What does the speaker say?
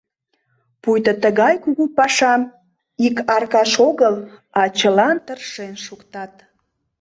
Пуйто тыгай кугу пашам ик Аркаш огыл, а чылан тыршен шуктат.